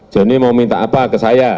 johnny mau minta apa ke saya